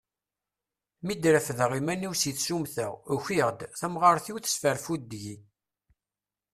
Mi d-refdeɣ iman-iw si tsumta, ukiɣ-d, tamɣart-iw tesfarfud deg-i.